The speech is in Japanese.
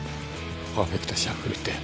パーフェクトシャッフルって。